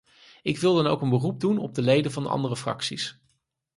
Ik wil dan ook een beroep doen op de leden van de andere fracties.